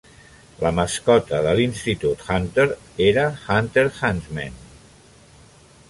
La mascota de l'Institut Hunter era "Hunter Huntsmen".